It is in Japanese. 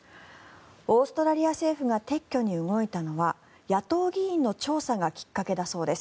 オーストラリア政府が撤去に動いたのは野党議員の調査がきっかけだそうです。